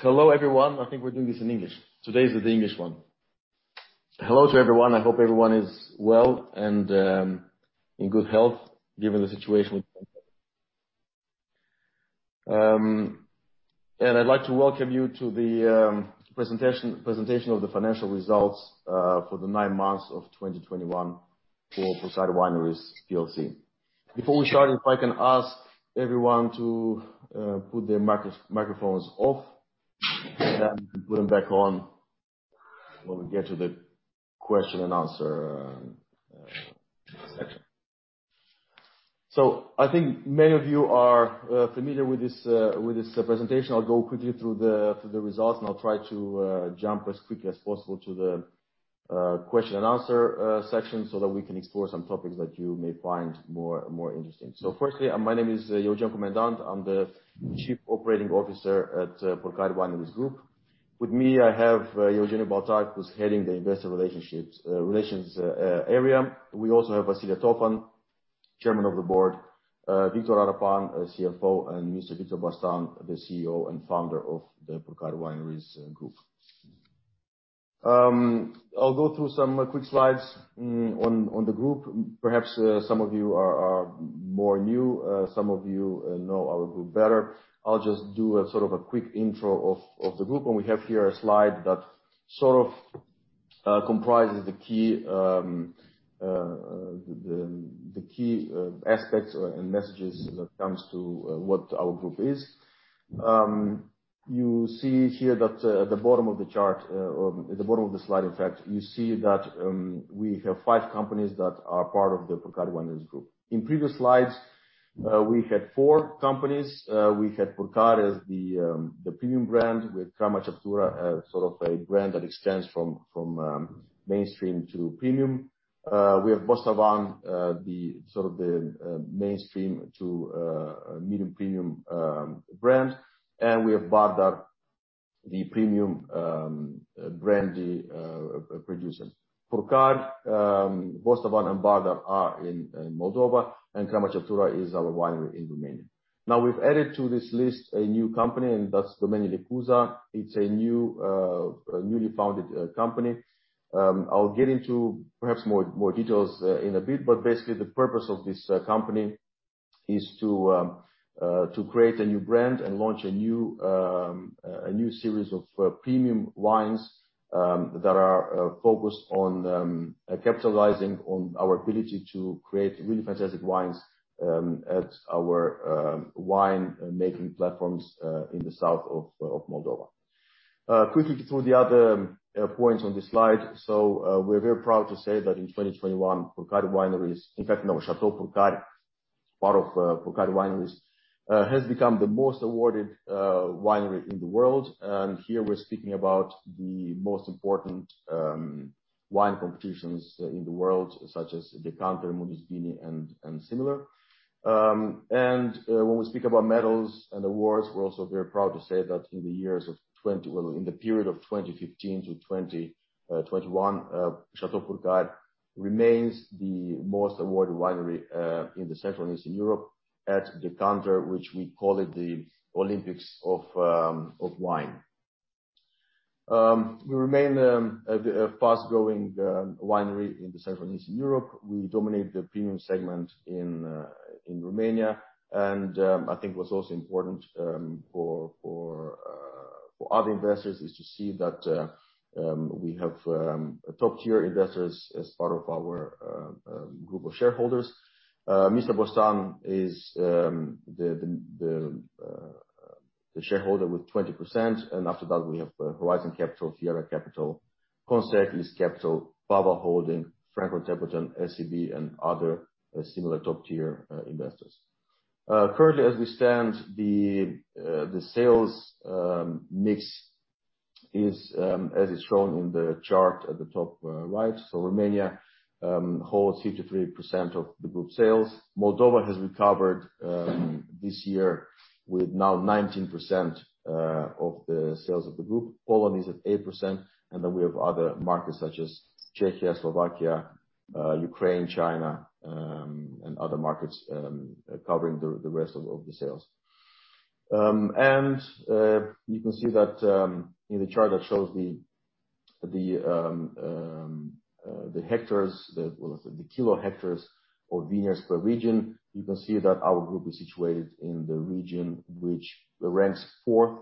Hello, everyone. I think we're doing this in English. Today is the English one. Hello to everyone. I hope everyone is well and in good health given the situation with COVID. I'd like to welcome you to the presentation of the financial results for the nine months of 2021 for Purcari Wineries PLC. Before we start, if I can ask everyone to put their microphones off and then put them back on when we get to the question and answer section. I think many of you are familiar with this presentation. I'll go quickly through the results and I'll try to jump as quickly as possible to the question and answer section so that we can explore some topics that you may find more interesting. First, my name is Eugen Comendant. I'm the Chief Operating Officer at Purcari Wineries Group. With me, I have Eugeniu Baltag, who's heading the Investor Relations area. We also have Vasile Tofan, Chairman of the Board, Victor Arapan, CFO, and Mr. Victor Bostan, the CEO and Founder of the Purcari Wineries Group. I'll go through some quick slides on the group. Perhaps some of you are more new, some of you know our group better. I'll just do a sort of a quick intro of the group. We have here a slide that sort of comprises the key aspects and messages when it comes to what our group is. You see here that at the bottom of the chart, or the bottom of the slide in fact, you see that we have five companies that are part of the Purcari Wineries Group. In previous slides, we had four companies. We had Purcari as the premium brand. We had Crama Ceptura, sort of a brand that extends from mainstream to premium. We have Bostavan, the mainstream to medium premium brand. And we have Bardar, the premium brandy producer. Purcari, Bostavan and Bardar are in Moldova and Crama Ceptura is our winery in Romania. We've added to this list a new company, and that's Domeniile Cuza. It's a newly founded company. I'll get into perhaps more details in a bit, but basically the purpose of this company is to create a new brand and launch a new series of premium wines that are focused on capitalizing on our ability to create really fantastic wines at our wine making platforms in the south of Moldova. Quickly through the other points on this slide. We're very proud to say that in 2021, Château Purcari, part of Purcari Wineries, has become the most awarded winery in the world. Here we're speaking about the most important wine competitions in the world, such as Decanter, Mundus Vini and similar. When we speak about medals and awards, we're also very proud to say that in the period of 2015 to 2021, Château Purcari remains the most awarded winery in Central and Eastern Europe at Decanter, which we call it the Olympics of wine. We remain a fast growing winery in Central and Eastern Europe. We dominate the premium segment in Romania. I think what's also important for other investors is to see that we have top-tier investors as part of our group of shareholders. Mr. Bostan is the shareholder with 20%, and after that we have Horizon Capital, Fiera Capital, Conseq Investment Management, Pavăl Holding, Franklin Templeton, SEB and other similar top-tier investors. Currently as we stand, the sales mix is as is shown in the chart at the top, right. Romania holds 53% of the group sales. Moldova has recovered this year with now 19% of the sales of the group. Poland is at 8%. Then we have other markets such as Czechia, Slovakia, Ukraine, China, and other markets covering the rest of the sales. You can see that in the chart that shows the hectares. Well, let's say the kilo hectares or vineyards per region. You can see that our group is situated in the region which ranks fourth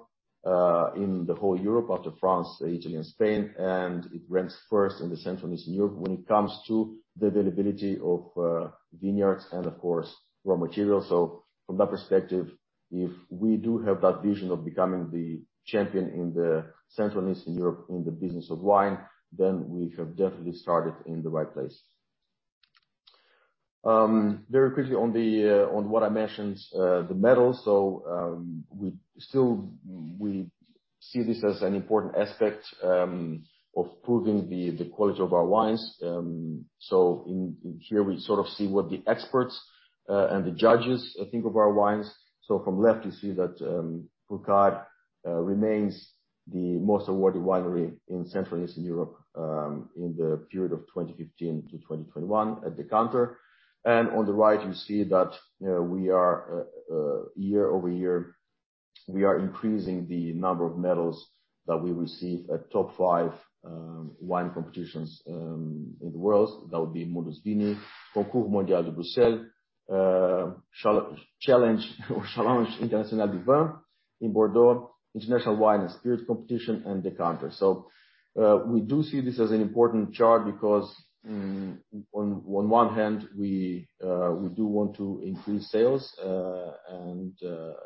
in the whole Europe after France, Italy and Spain, and it ranks first in the Central and Eastern Europe when it comes to the availability of vineyards and of course, raw materials. From that perspective, if we do have that vision of becoming the champion in the Central and Eastern Europe in the business of wine, then we have definitely started in the right place. Very quickly on what I mentioned, the medals. We still see this as an important aspect of proving the quality of our wines. In here, we sort of see what the experts and the judges think of our wines. From left you see that Purcari remains the most awarded winery in Central and Eastern Europe in the period of 2015 to 2021 at Decanter and on the right, you see that, you know, we are year-over-year increasing the number of medals that we receive at top five wine competitions in the world. That would be Mundus Vini, Concours Mondial de Bruxelles, Challenge International du Vin in Bordeaux, International Wine and Spirit Competition and Decanter. We do see this as an important chart because, on one hand we do want to increase sales and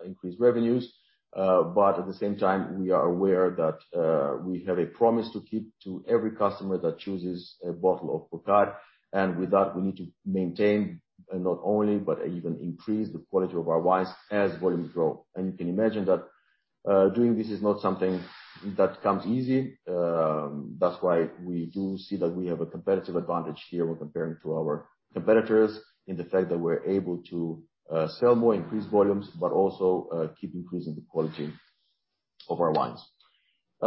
increase revenues, but at the same time we are aware that we have a promise to keep to every customer that chooses a bottle of Purcari and with that we need to maintain and not only, but even increase the quality of our wines as volumes grow. You can imagine that doing this is not something that comes easy. That's why we do see that we have a competitive advantage here when comparing to our competitors in the fact that we're able to sell more, increase volumes, but also keep increasing the quality of our wines. That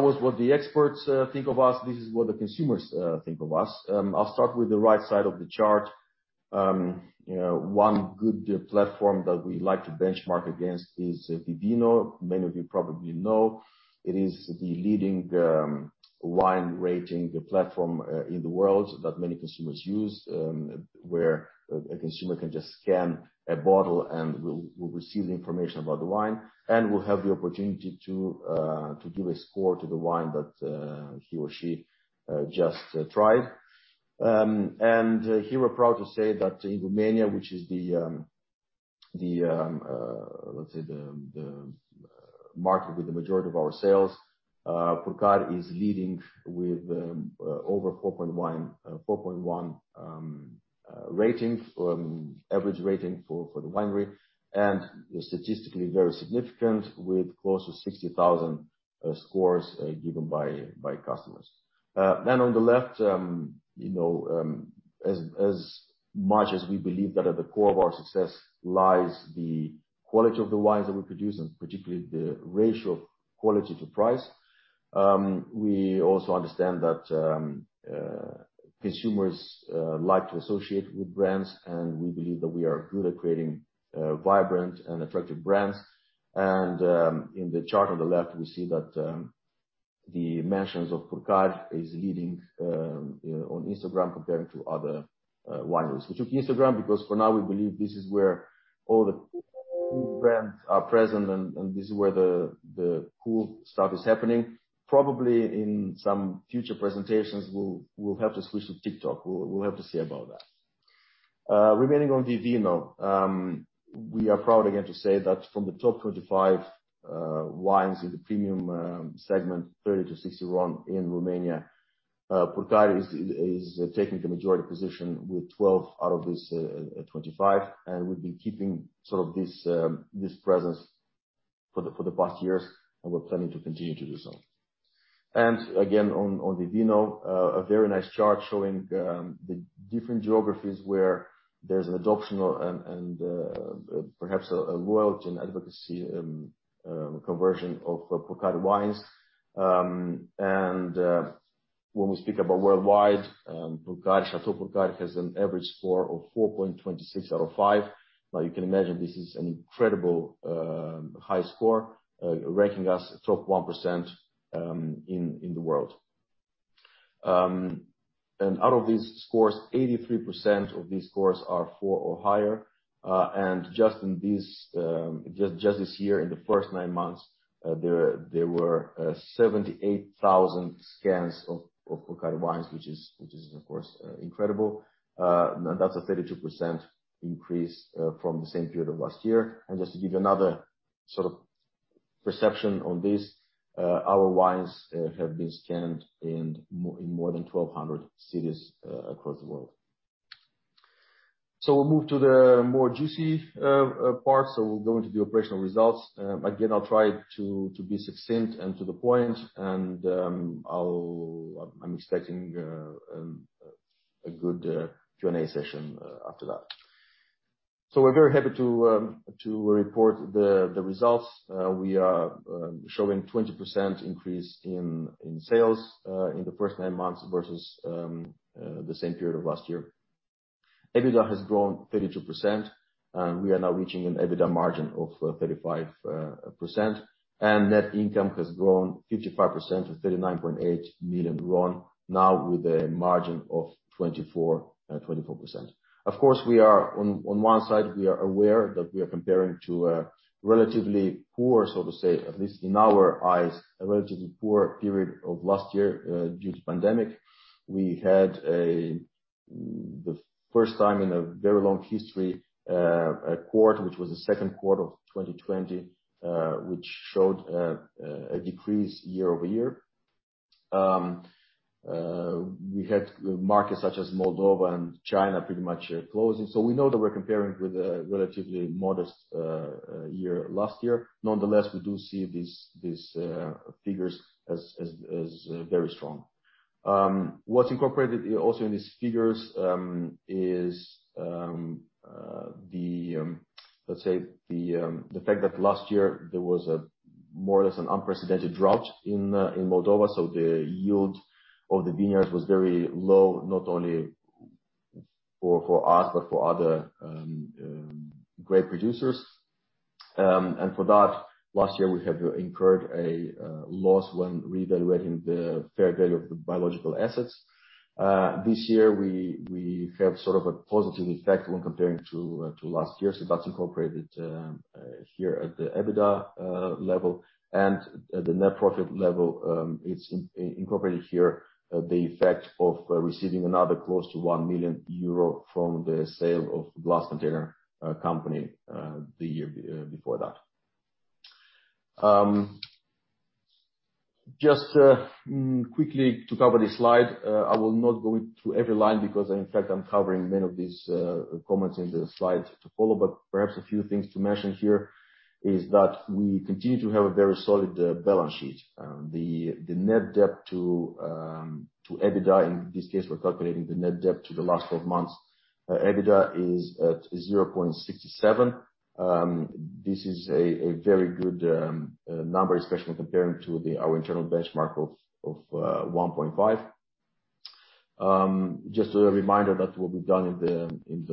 was what the experts think of us. This is what the consumers think of us. I'll start with the right side of the chart. You know, one good platform that we like to benchmark against is Vivino. Many of you probably know. It is the leading wine rating platform in the world that many consumers use, where a consumer can just scan a bottle and will receive the information about the wine and will have the opportunity to give a score to the wine that he or she just tried. Here we're proud to say that in Romania, which is the market with the majority of our sales, Purcari is leading with over 4.1 average rating for the winery and statistically very significant with close to 60,000 scores given by customers. On the left, you know, as much as we believe that at the core of our success lies the quality of the wines that we produce and particularly the ratio of quality to price, we also understand that consumers like to associate with brands and we believe that we are good at creating vibrant and attractive brands and in the chart on the left we see that the mentions of Purcari is leading on Instagram compared to other wineries. We took Instagram because for now we believe this is where all the brands are present and this is where the cool stuff is happening. Probably in some future presentations we'll have to switch to TikTok. We'll have to see about that. Remaining on Vivino, we are proud again to say that from the top 25 wines in the premium segment 30-60 RON in Romania, Purcari is taking the majority position with 12 out of this 25 and we've been keeping sort of this presence for the past years and we're planning to continue to do so. Again, on Vivino, a very nice chart showing the different geographies where there's an adoption and perhaps a loyalty and advocacy conversion of Purcari wines. When we speak about worldwide, Purcari, Château Purcari has an average score of 4.26 out of five. Now you can imagine this is an incredible high score, ranking us top 1% in the world. Out of these scores, 83% of these scores are four or higher, and just this year in the first nine months, there were 78,000 scans of Purcari wines which is of course incredible. That's a 32% increase from the same period of last year. Just to give you another sort of perception on this, our wines have been scanned in more than 1,200 cities across the world. We'll move to the more juicy part. We'll go into the operational results. Again, I'll try to be succinct and to the point, and I'm expecting a good Q&A session after that. We're very happy to report the results. We are showing 20% increase in sales in the first nine months versus the same period of last year. EBITDA has grown 32%, and we are now reaching an EBITDA margin of 35% and net income has grown 55% to RON 39.8 million now with a margin of 24%. Of course we are on one side aware that we are comparing to a relatively poor so to say, at least in our eyes, a relatively poor period of last year due to pandemic. We had the first time in a very long history a quarter which was the second quarter of 2020 which showed a decrease year-over-year. We had markets such as Moldova and China pretty much closing. We know that we're comparing with a relatively modest year last year. Nonetheless, we do see these figures as very strong. What's incorporated also in these figures is let's say the fact that last year there was a more or less an unprecedented drought in Moldova, so the yield of the vineyards was very low, not only for us, but for other great producers. For that, last year, we have incurred a loss when reevaluating the fair value of the biological assets. This year, we have sort of a positive effect when comparing to last year. That's incorporated here at the EBITDA level and at the net profit level. It's incorporated here, the effect of receiving another close to 1 million euro from the sale of Glass Container Company, the year before that. Just quickly to cover this slide. I will not go through every line because I, in fact, I'm covering many of these comments in the slides to follow. Perhaps a few things to mention here is that we continue to have a very solid balance sheet. The net debt to EBITDA, in this case we're calculating the net debt to the last 12 months EBITDA, is at 0.67. This is a very good number, especially comparing to our internal benchmark of 1.5. Just a reminder that what we've done in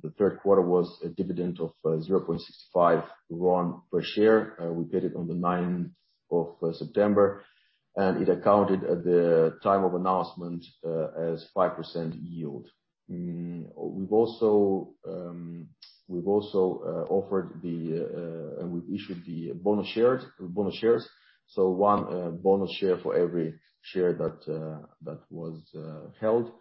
the third quarter was a dividend of 0.65 RON per share. We paid it on the 9th of September, and it accounted at the time of announcement as 5% yield. We've also offered and we issued the bonus shares. So one bonus share for every share that was held.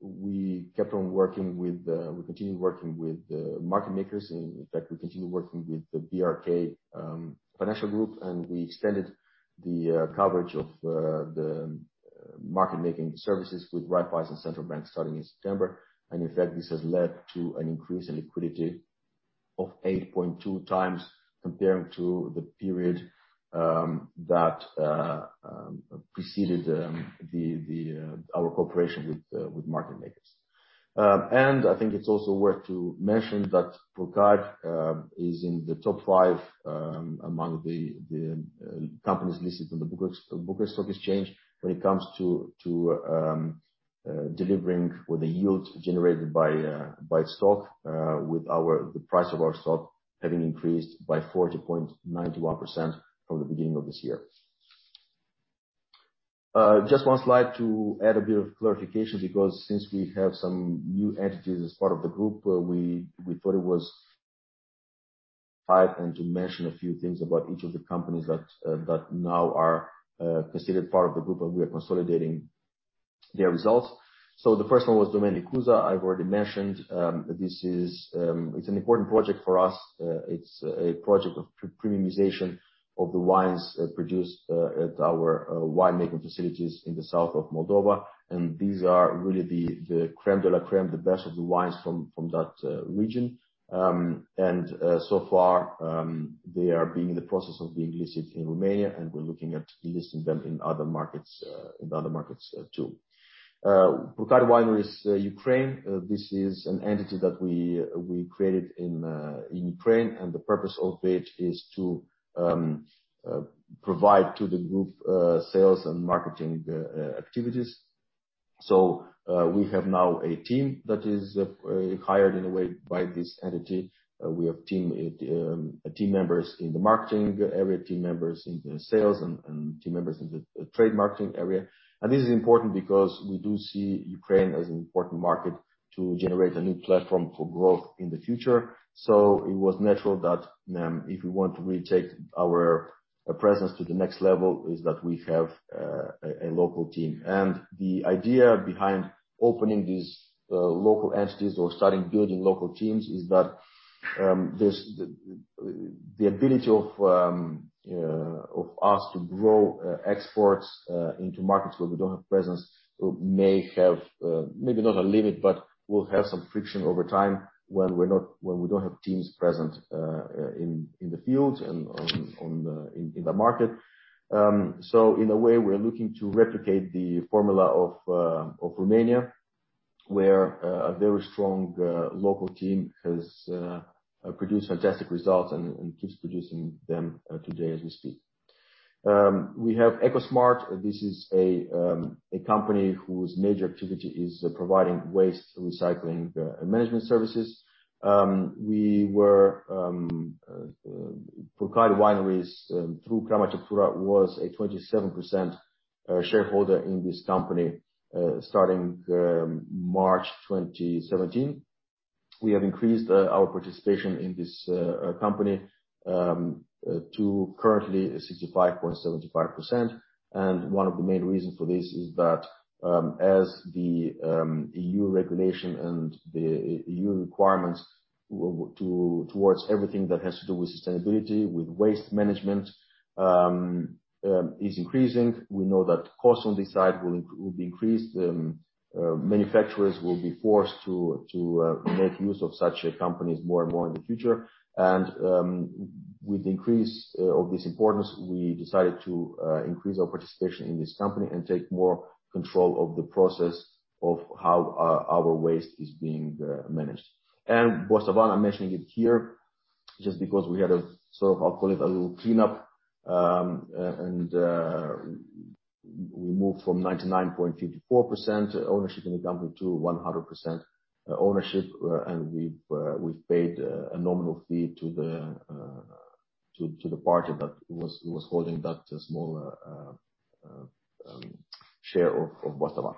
We continued working with the market makers, and in fact, we continued working with the BRK Financial Group, and we extended the coverage of the market making services with BRK and Raiffeisen Centrobank starting in September. In fact, this has led to an increase in liquidity of 8.2 times comparing to the period that preceded our cooperation with market makers. I think it's also worth to mention that Purcari is in the top five among the companies listed on the Bucharest Stock Exchange when it comes to delivering or the yield generated by stock, with the price of our stock having increased by 40.91% from the beginning of this year. Just one slide to add a bit of clarification because since we have some new entities as part of the group, we thought it was five, and to mention a few things about each of the companies that now are considered part of the group, and we are consolidating their results. The first one was Domeniile Cuza. I've already mentioned that this is, it's an important project for us. It's a project of premiumization of the wines produced at our winemaking facilities in the south of Moldova. And these are really the Crème de la crème, the best of the wines from that region. So far, they are being in the process of being listed in Romania, and we're looking at listing them in other markets, too. Purcari Wineries Ukraine, this is an entity that we created in Ukraine, and the purpose of it is to provide to the group sales and marketing activities. We have now a team that is hired in a way by this entity. We have team members in the marketing area, team members in the sales, and team members in the trade marketing area. This is important because we do see Ukraine as an important market to generate a new platform for growth in the future. It was natural that if we want to really take our presence to the next level is that we have a local team. The idea behind opening these local entities or starting building local teams is that there's the ability of us to grow exports into markets where we don't have presence may have maybe not a limit, but we'll have some friction over time when we don't have teams present in the field and on in the market. In a way, we're looking to replicate the formula of Romania, where a very strong local team has produced fantastic results and keeps producing them today as we speak. We have Eco Smart Life. This is a company whose major activity is providing waste recycling management services. We were Purcari Wineries through Crama Ceptura was a 27% shareholder in this company starting March 2017. We have increased our participation in this company to currently 65.75%. One of the main reasons for this is that as the EU regulation and the EU requirements towards everything that has to do with sustainability with waste management is increasing. We know that costs on this side will be increased. Manufacturers will be forced to make use of such companies more and more in the future. With the increase of this importance, we decided to increase our participation in this company and take more control of the process of how our waste is being managed. Bostavan, I'm mentioning it here just because we had a sort of, I'll call it a little cleanup, and we moved from 99.54% ownership in the company to 100% ownership, and we've paid a nominal fee to the party that was holding that small share of Bostavan.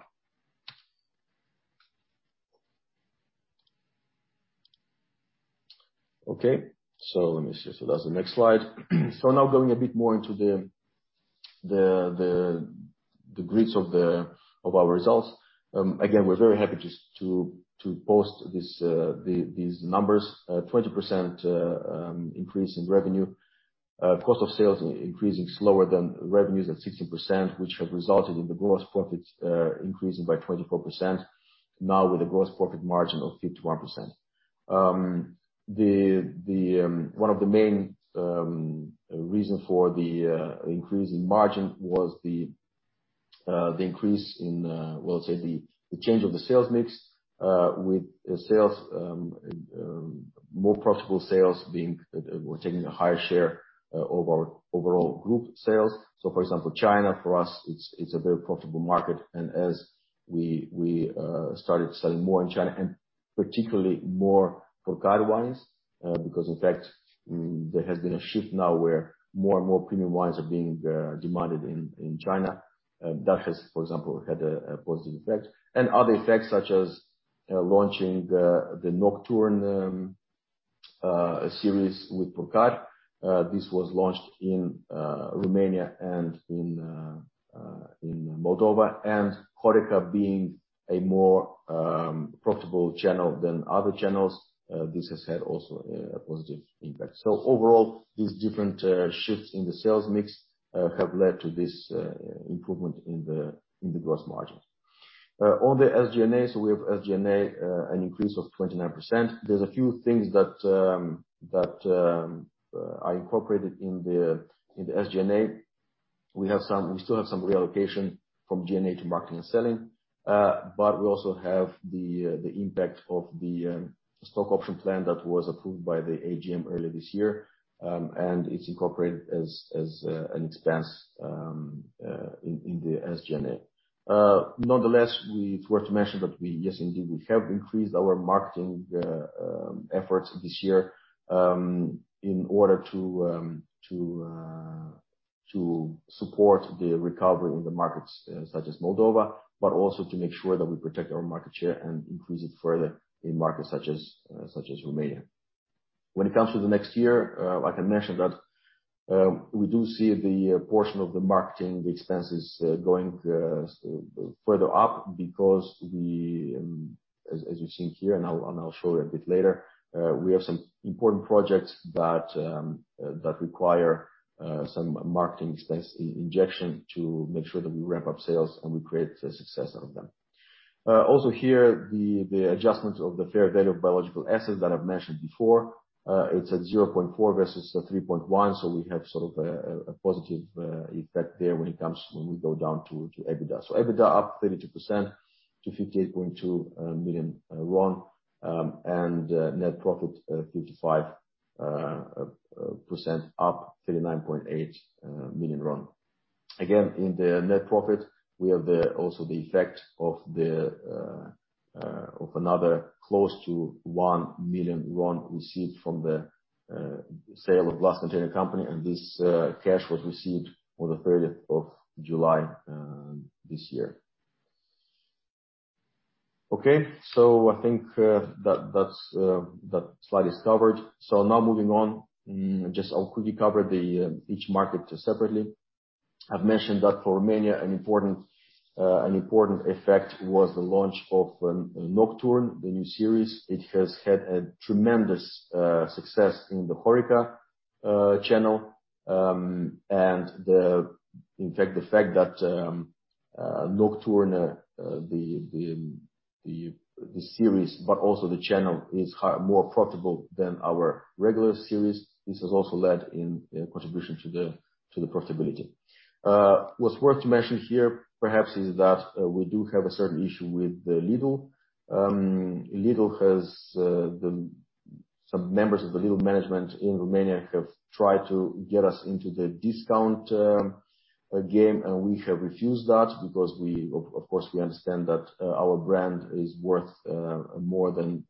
Okay. Let me see. That's the next slide. Now going a bit more into the grids of our results. Again, we're very happy just to post these numbers. 20% increase in revenue. Cost of sales increasing slower than revenues at 16%, which have resulted in the gross profits increasing by 24%, now with a gross profit margin of 51%. One of the main reasons for the increase in margin was the change of the sales mix with more profitable sales were taking a higher share of our overall group sales. For example, China, for us, it's a very profitable market. As we started selling more in China, and particularly more Purcari wines, because in fact, there has been a shift now where more and more premium wines are being demanded in China. That has, for example, had a positive effect. Other effects such as launching the Nocturne series with Purcari. This was launched in Romania and in Moldova. HoReCa being a more profitable channel than other channels, this has had also a positive impact. Overall, these different shifts in the sales mix have led to this improvement in the gross margin. On the SG&A, we have an increase of 29%. There's a few things that I incorporated in the SG&A. We still have some reallocation from G&A to marketing and selling, but we also have the impact of the stock option plan that was approved by the AGM earlier this year, and it's incorporated as an expense in the SG&A. Nonetheless, it's worth to mention that we, yes, indeed, we have increased our marketing efforts this year in order to support the recovery in the markets such as Moldova, but also to make sure that we protect our market share and increase it further in markets such as Romania. When it comes to the next year, I can mention that we do see the portion of the marketing expenses going further up because we, as you've seen here, and I'll show you a bit later, we have some important projects that require some marketing expense injection to make sure that we ramp up sales and we create a success out of them. Also here, the adjustment of the fair value of biological assets that I've mentioned before, it's at RON 0.4 versus the RON 3.1, so we have sort of a positive effect there when we go down to EBITDA. EBITDA up 32% to RON 58.2 million, and net profit 55% up, RON 39.8 million. Again, in the net profit, we have also the effect of another close to 1 million RON received from the sale of Glass Container Company and this cash was received on the thirtieth of July this year. Okay, I think that slide is covered. Now moving on. Just I'll quickly cover each market separately. I've mentioned that for Romania, an important effect was the launch of Nocturne, the new series. It has had a tremendous success in the HoReCa channel. And the In fact, the fact that Nocturne, the series, but also the Château is more profitable than our regular series. This has also led in contribution to the profitability. What's worth mentioning here perhaps is that we do have a certain issue with Lidl. Some members of the Lidl management in Romania have tried to get us into the discount game, and we have refused that because, of course, we understand that our brand is worth more than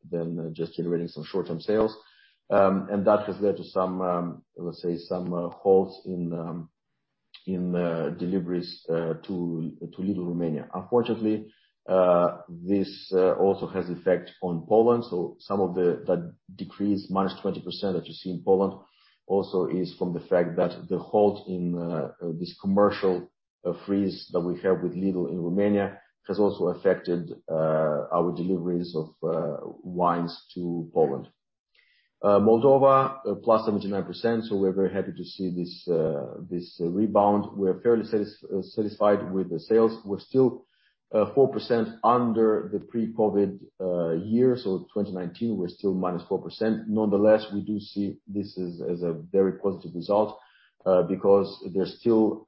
just generating some short-term sales. That has led to some, let's say, some halts in deliveries to Lidl Romania. Unfortunately, this also has effect on Poland, so that decrease, minus 20% that you see in Poland, also is from the fact that the halt in this commercial freeze that we have with Lidl in Romania has also affected our deliveries of wines to Poland. Moldova, +79%, so we're very happy to see this rebound. We're fairly satisfied with the sales. We're still 4% under the pre-COVID year, so 2019, we're still minus 4%. Nonetheless, we do see this as a very positive result, because there's still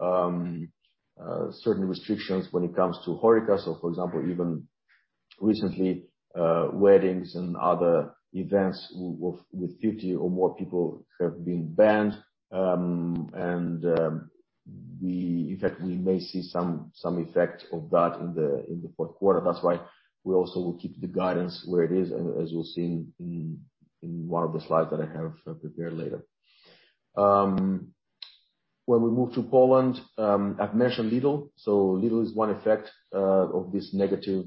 certain restrictions when it comes to HoReCa. For example, even recently, weddings and other events with 50 or more people have been banned, and we in fact may see some effect of that in the fourth quarter. That's why we also will keep the guidance where it is as you'll see in one of the slides that I have prepared later. When we move to Poland, I've mentioned Lidl. Lidl is one effect of this negative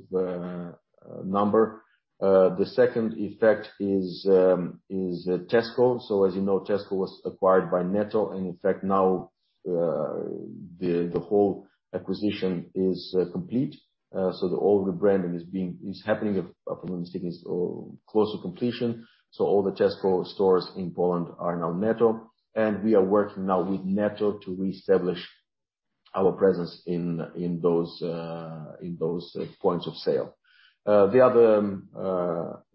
number. The second effect is Tesco. As you know, Tesco was acquired by Netto, and in fact now the whole acquisition is complete. All the rebranding is happening or close to completion. All the Tesco stores in Poland are now Netto. We are working now with Netto to reestablish our presence in those points of sale. The other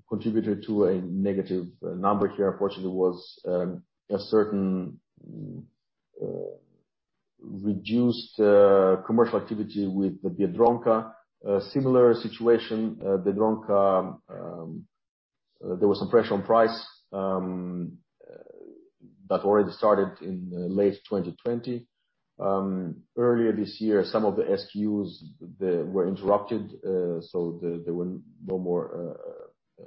contributor to a negative number here unfortunately was a certain reduced commercial activity with Biedronka. Similar situation, Biedronka, there was some pressure on price that already started in late 2020. Earlier this year, some of the SKUs they were interrupted, so they were no longer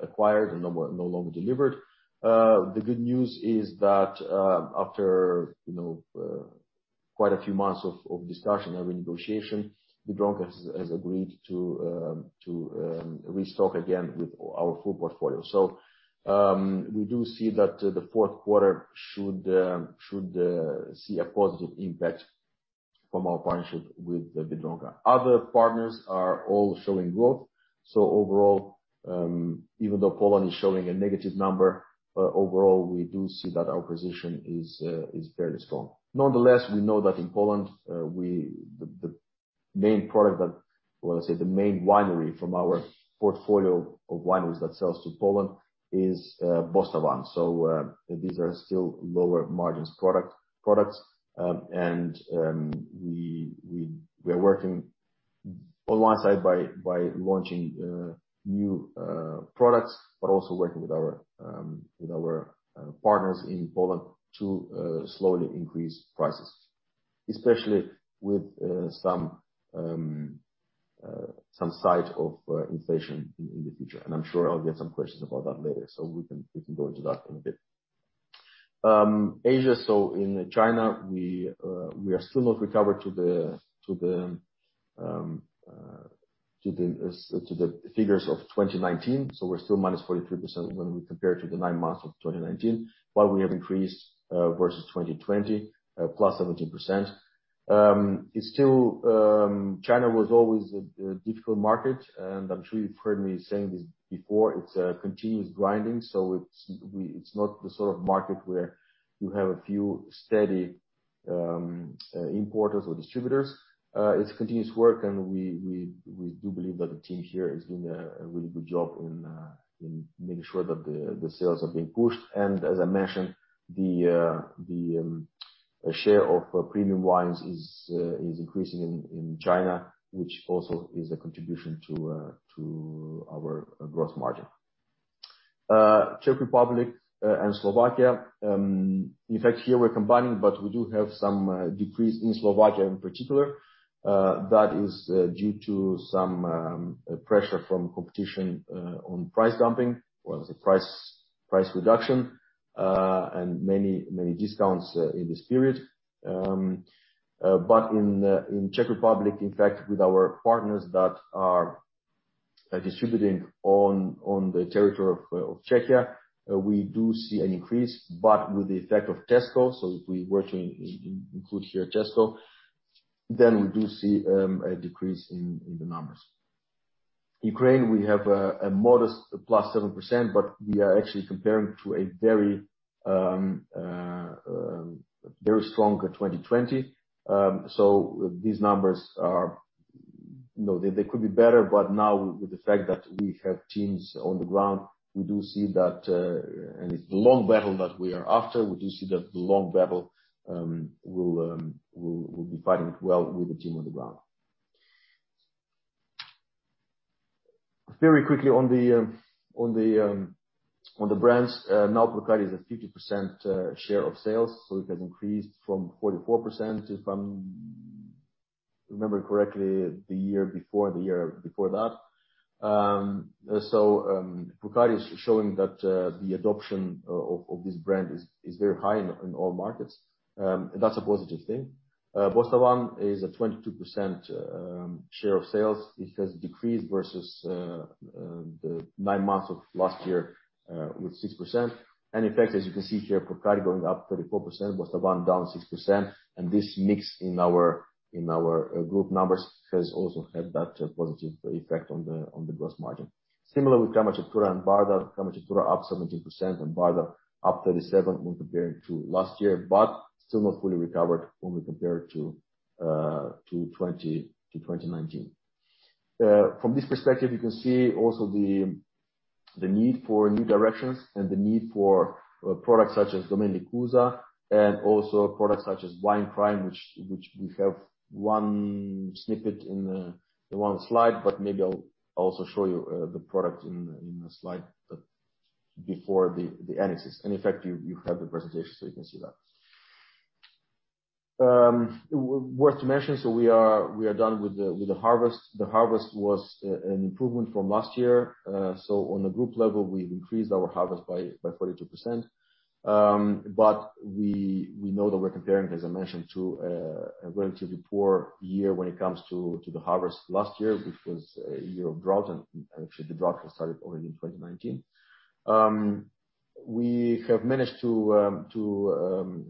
acquired and no longer delivered. The good news is that after you know quite a few months of discussion and renegotiation, Biedronka has agreed to restock again with our full portfolio. We do see that the fourth quarter should see a positive impact from our partnership with the Biedronka. Other partners are all showing growth. Overall, even though Poland is showing a negative number, overall, we do see that our position is fairly strong. Nonetheless, we know that in Poland, the main product that, well, let's say the main winery from our portfolio of wineries that sells to Poland is Bostavan. These are still lower margins products. We are working on one side by launching new products, but also working with our partners in Poland to slowly increase prices, especially with some sign of inflation in the future. I'm sure I'll get some questions about that later, so we can go into that in a bit. Asia, in China, we are still not recovered to the figures of 2019, so we're still -43% when we compare to the nine months of 2019. While we have increased versus 2020, +17%. It's still, China was always a difficult market, and I'm sure you've heard me saying this before, it's a continuous grinding, it's not the sort of market where you have a few steady importers or distributors. It's continuous work, and we do believe that the team here is doing a really good job in making sure that the sales are being pushed. As I mentioned, the share of premium wines is increasing in China, which also is a contribution to our gross margin. Czech Republic and Slovakia, in fact here we're combining, but we do have some decrease in Slovakia in particular. That is due to some pressure from competition on price dumping, as well as a price reduction and many discounts in this period. But in Czech Republic, in fact, with our partners that are distributing on the territory of Czechia, we do see an increase, but with the effect of Tesco, so if we were to include here Tesco, then we do see a decrease in the numbers. Ukraine, we have a modest +7%, but we are actually comparing to a very strong 2020. So these numbers are. They could be better, but now with the fact that we have teams on the ground, we do see that and it's the long battle that we are after. We do see that the long battle will be fighting well with the team on the ground. Very quickly on the brands, now Purcari is at 50% share of sales, so it has increased from 44% if I remember correctly the year before the year before that. So Purcari is showing that the adoption of this brand is very high in all markets. That's a positive thing. Bostavan is at 22% share of sales. It has decreased versus the nine months of last year with 6%. In fact, as you can see here, Purcari going up 34%, Bostavan down 6%, and this mix in our group numbers has also had that positive effect on the gross margin. Similar with Kamchatka and Bardar. Kamchatka up 17% and Bardar up 37% when comparing to last year, but still not fully recovered when we compare to 2019. From this perspective, you can see also the need for new directions and the need for products such as Domeniile Cuza and also products such as Wine Prime, which we have one snippet in the one slide, but maybe I'll also show you the product in a slide but before the analysis. In fact, you have the presentation, so you can see that. Worth mentioning, we are done with the harvest. The harvest was an improvement from last year. On the group level, we increased our harvest by 42%. We know that we're comparing, as I mentioned, to a relatively poor year when it comes to the harvest last year, which was a year of drought, and actually the drought has started already in 2019. We have managed to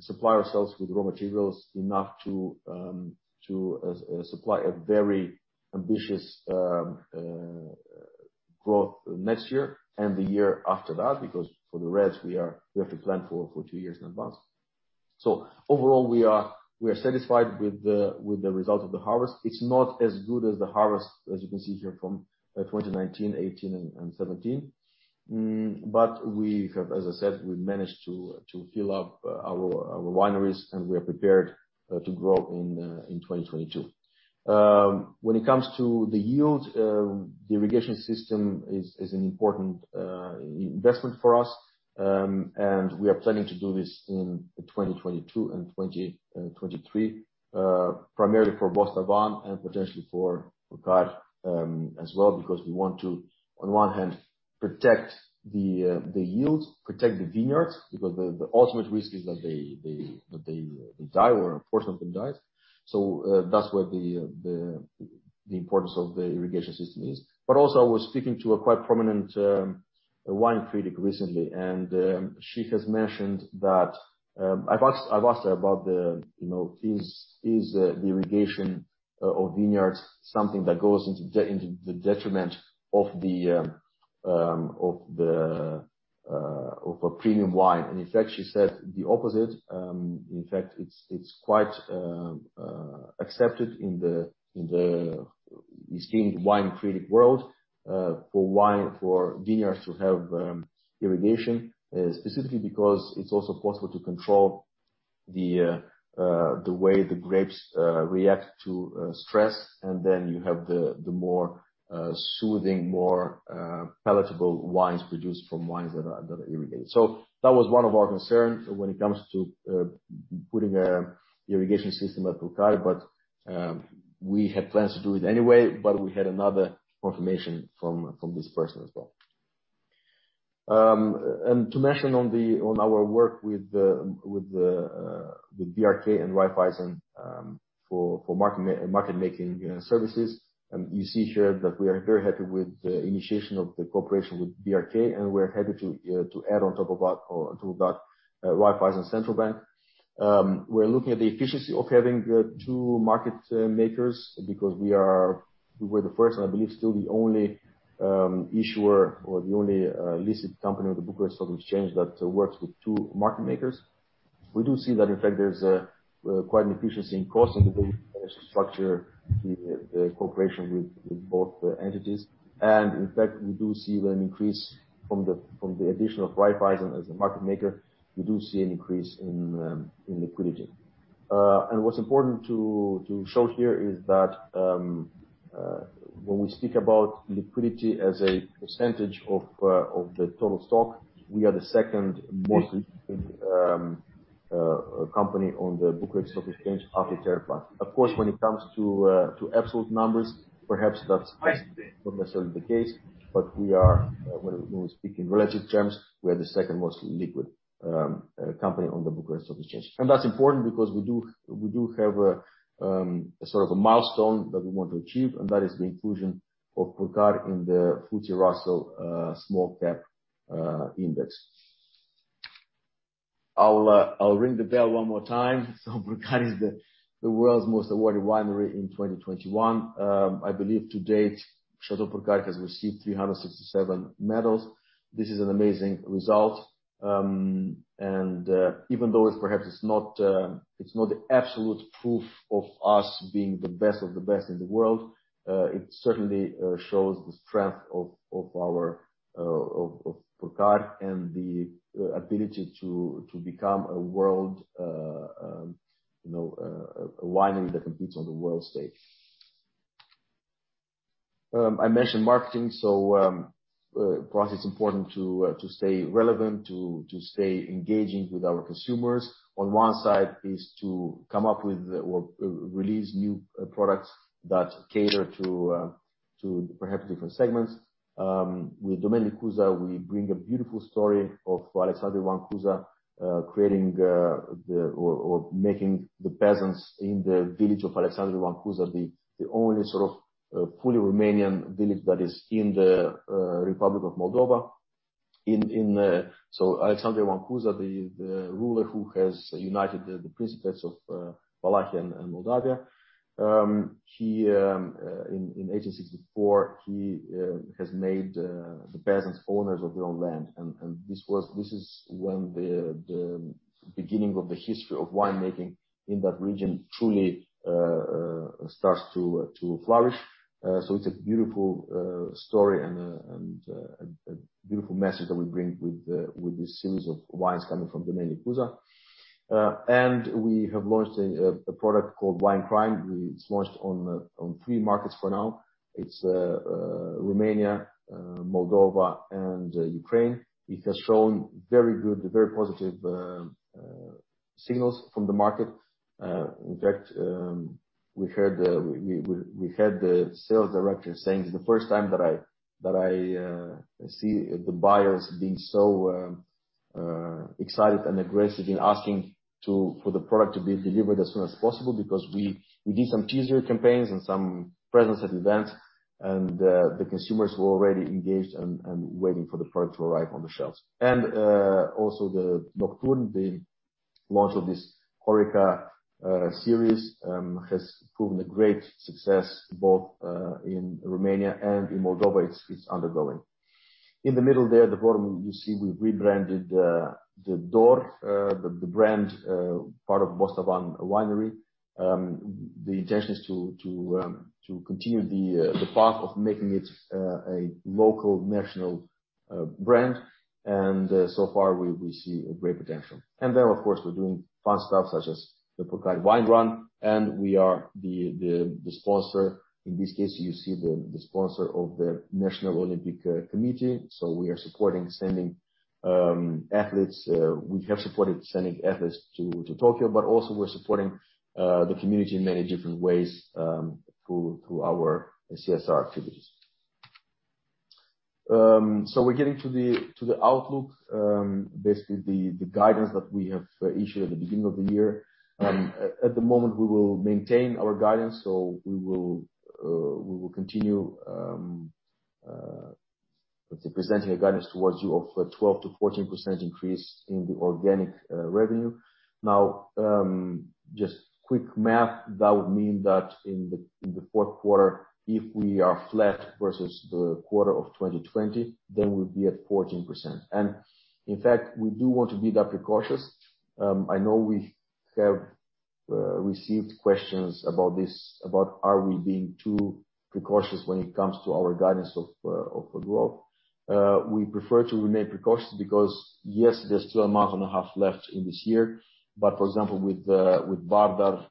supply ourselves with raw materials enough to supply a very ambitious growth next year and the year after that, because for the reds, we have to plan for two years in advance. We are satisfied with the result of the harvest. It's not as good as the harvest, as you can see here, from 2019, 2018 and 2017. We have, as I said, we managed to fill up our wineries, and we are prepared to grow in 2022. When it comes to the yield, the irrigation system is an important investment for us, and we are planning to do this in 2022 and 2023, primarily for Bostavan and potentially for Purcari as well, because we want to, on one hand, protect the yields, protect the vineyards, because the ultimate risk is that they die or a portion of them dies. That's where the importance of the irrigation system is. Also, I was speaking to a quite prominent wine critic recently, and she has mentioned that... I've asked her about you know is the irrigation of vineyards something that goes into the detriment of a premium wine? In fact, she said the opposite. In fact, it's quite accepted in the esteemed wine critic world for vineyards to have irrigation specifically because it's also possible to control the way the grapes react to stress, and then you have the more soothing, more palatable wines produced from wines that are irrigated. That was one of our concerns when it comes to putting a irrigation system at Purcari, but we had plans to do it anyway, but we had another confirmation from this person as well. To mention on our work with BRK and Raiffeisen for market making services, you see here that we are very happy with the initiation of the cooperation with BRK, and we're happy to add on top of that or to that Raiffeisen Centrobank. We're looking at the efficiency of having two market makers because we were the first, and I believe still the only issuer or the only listed company on the Bucharest Stock Exchange that works with two market makers. We do see that, in fact, there's quite an efficiency in cost and the way we manage to structure the cooperation with both entities. In fact, we see an increase from the addition of Raiffeisen as a market maker in liquidity. What's important to show here is that when we speak about liquidity as a percentage of the total stock, we are the second most liquid company on the Bucharest Stock Exchange after TeraPlast. Of course, when it comes to absolute numbers, perhaps that's not necessarily the case, but when we speak in relative terms, we are the second most liquid company on the Bucharest Stock Exchange. That's important because we have a sort of a milestone that we want to achieve, and that is the inclusion of Purcari in the FTSE Russell small-cap index. I'll ring the bell one more time. Purcari is the world's most awarded winery in 2021. I believe to date, Château Purcari has received 367 medals. This is an amazing result. Even though it perhaps is not, it's not the absolute proof of us being the best of the best in the world, it certainly shows the strength of our Purcari and the ability to become a world you know a winery that competes on the world stage. I mentioned marketing, for us, it's important to stay relevant, to stay engaging with our consumers. On one side is to come up with or release new products that cater to perhaps different segments. With Domeniile Cuza, we bring a beautiful story of Alexandru Ioan Cuza creating or making the peasants in the village of Alexander von Cuza the only sort of fully Romanian village that is in the Republic of Moldova. Alexander von Cuza, the ruler who has united the Principalities of Wallachia and Moldavia, in 1864 he has made the peasants owners of their own land. This is when the beginning of the history of winemaking in that region truly starts to flourish. It's a beautiful story and a beautiful message that we bring with this series of wines coming from Domeniile Cuza. We have launched a product called Wine Prime. It's launched on three markets for now. It's Romania, Moldova and Ukraine. It has shown very good, very positive signals from the market. In fact, we've heard we had the sales director saying it's the first time that I see the buyers being so excited and aggressive in asking for the product to be delivered as soon as possible because we did some teaser campaigns and some presence at events, and the consumers were already engaged and waiting for the product to arrive on the shelves. Also the Nocturne, the launch of this HoReCa series, has proven a great success both in Romania and in Moldova. It's undergoing. In the middle there at the bottom, you see we've rebranded the DOR brand part of Bostavan Winery. The intention is to continue the path of making it a local national brand. So far we see a great potential. Then of course, we're doing fun stuff such as the Purcari Wine Run, and we are the sponsor. In this case, you see the sponsor of the National Olympic Committee. We are supporting sending athletes. We have supported sending athletes to Tokyo, but also we're supporting the community in many different ways through our CSR activities. We're getting to the outlook, basically the guidance that we have issued at the beginning of the year. At the moment, we will maintain our guidance, so we will continue, let's say presenting a guidance towards you of a 12%-14% increase in the organic revenue. Now, just quick math, that would mean that in the fourth quarter, if we are flat versus the quarter of 2020, then we'll be at 14%. In fact, we do want to be that precautious. I know we have received questions about this, about are we being too precautious when it comes to our guidance of growth. We prefer to remain precautious because, yes, there's still a month and a half left in this year, but for example, with Bardar,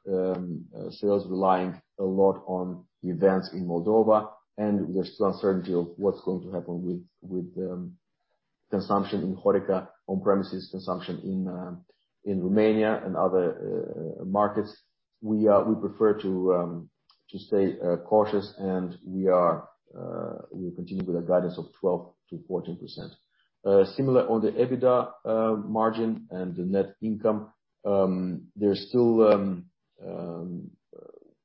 sales relying a lot on events in Moldova, and there's still uncertainty of what's going to happen with consumption in HoReCa, on-premises consumption in Romania and other markets. We prefer to stay cautious, and we'll continue with a guidance of 12%-14%. Similar on the EBITDA margin and the net income, there's still.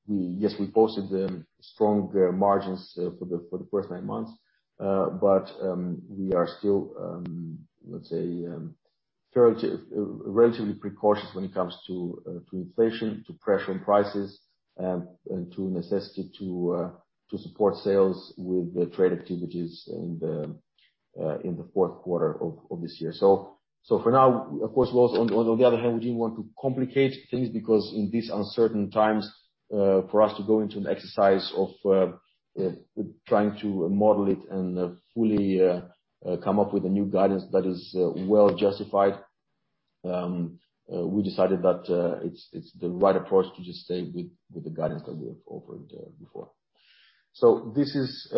Yes, we posted the stronger margins for the first nine months, but we are still, let's say, relatively precautious when it comes to inflation, to pressure on prices, and to necessity to support sales with the trade activities in the fourth quarter of this year. For now, of course, we also, on the other hand, we didn't want to complicate things because in these uncertain times, for us to go into an exercise of trying to model it and fully come up with a new guidance that is well justified, we decided that it's the right approach to just stay with the guidance that we have offered before. This is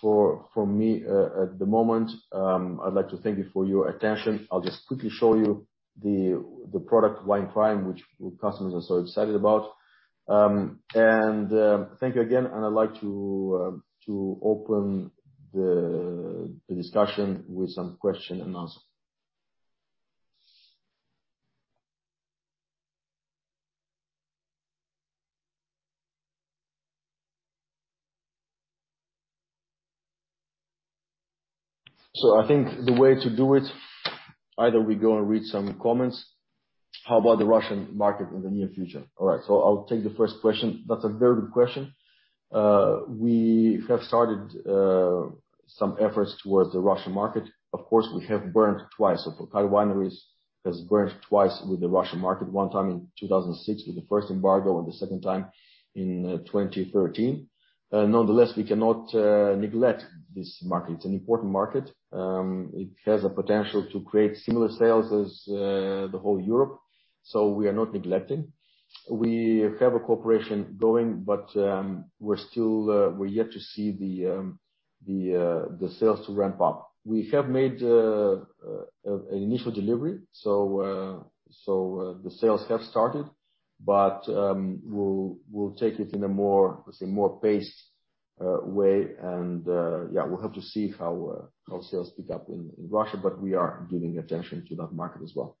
for me at the moment. I'd like to thank you for your attention. I'll just quickly show you the product, Wine Prime, which customers are so excited about. Thank you again, and I'd like to open the discussion with some question and answer. I think the way to do it, either we go and read some comments. How about the Russian market in the near future? All right. I'll take the first question. That's a very good question. We have started some efforts towards the Russian market. Of course, we have burned twice. Purcari Wineries has burned twice with the Russian market, one time in 2006 with the first embargo and the second time in 2013. Nonetheless, we cannot neglect this market. It's an important market. It has a potential to create similar sales as the whole Europe. We are not neglecting. We have a cooperation going, but we're still, we're yet to see the sales to ramp up. We have made an initial delivery, so the sales have started, but we'll take it in a more, let's say, more paced way and yeah, we'll have to see how sales pick up in Russia, but we are giving attention to that market as well.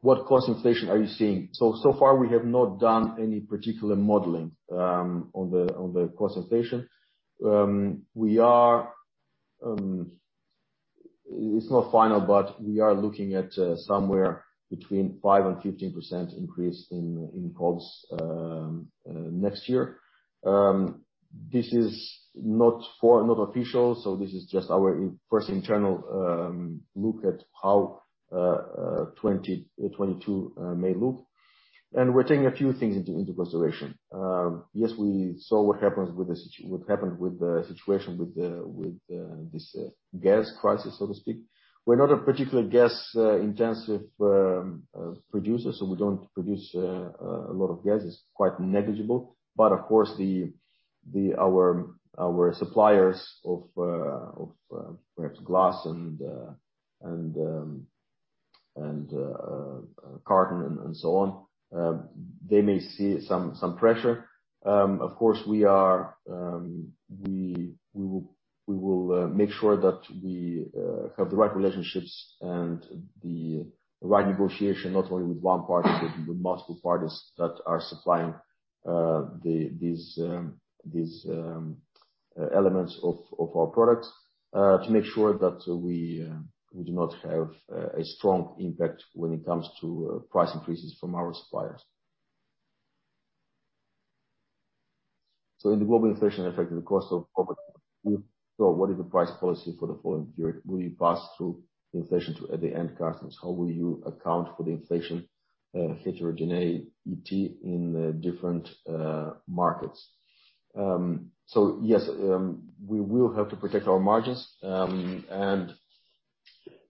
What cost inflation are you seeing? So far we have not done any particular modeling on the cost inflation. It's not final, but we are looking at somewhere between 5%-15% increase in costs next year. This is not official, so this is just our first internal look at how 2022 may look. We're taking a few things into consideration. We saw what happened with the situation with this gas crisis, so to speak. We're not a particular gas intensive producer, so we don't produce a lot of gas. It's quite negligible. Of course, our suppliers of perhaps glass and carton and so on may see some pressure. Of course, we will make sure that we have the right relationships and the right negotiation, not only with one party, but with multiple parties that are supplying these elements of our products, to make sure that we do not have a strong impact when it comes to price increases from our suppliers. In the global inflation effect, the cost of COVID, what is the price policy for the following period? Will you pass through inflation to the end customers? How will you account for the inflation heterogeneity in the different markets? Yes, we will have to protect our margins, and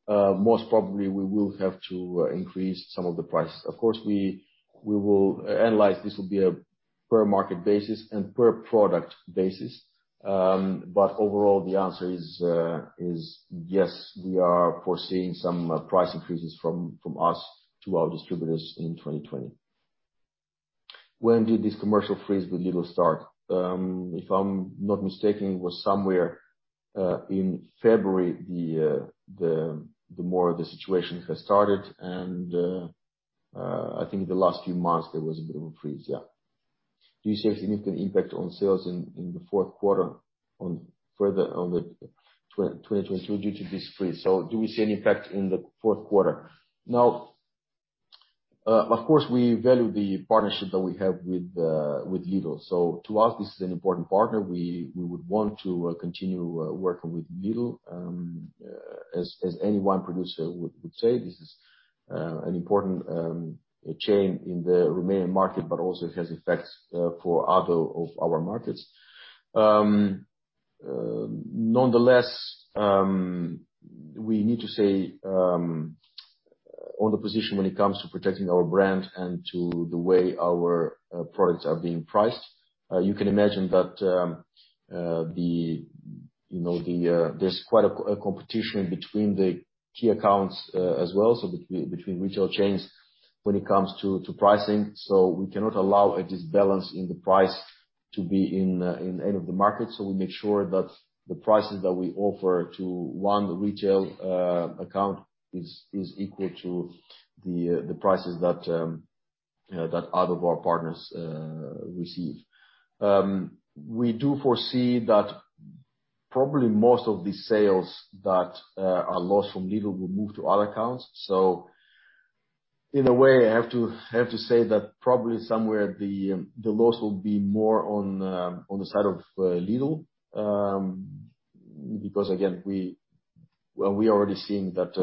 most probably we will have to increase some of the price. Of course, we will analyze this on a per market basis and per product basis. But overall, the answer is yes, we are foreseeing some price increases from us to our distributors in 2020. When did this commercial freeze with Lidl start? If I'm not mistaken, it was somewhere in February when the situation has started, and I think the last few months there was a bit of a freeze, yeah. Do you see a significant impact on sales in the fourth quarter and further on in 2022 due to this freeze? Do we see any effect in the fourth quarter? Now, of course, we value the partnership that we have with Lidl. To us, this is an important partner. We would want to continue working with Lidl, as any one producer would say. This is an important chain in the Romanian market, but also it has effects for other of our markets. Nonetheless, we need to state our position when it comes to protecting our brand and to the way our products are being priced. You can imagine that, you know, there's quite a competition between the key accounts as well, so between retail chains when it comes to pricing. We cannot allow an imbalance in the price to be in any of the markets. We make sure that the prices that we offer to one retail account is equal to the prices that other of our partners receive. We do foresee that probably most of the sales that are lost from Lidl will move to other accounts. In a way, I have to say that probably somewhere the loss will be more on the side of Lidl because again, well, we are already seeing that